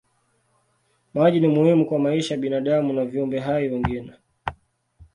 Maji ni muhimu kwa maisha ya binadamu na viumbe hai wengine.